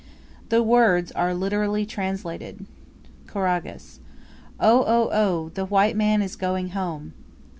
The words are literally translated: Choragus. Oh oh oh! the white man is going home!